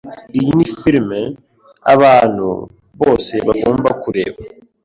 Iyi ni film abantu bose bagomba kureba.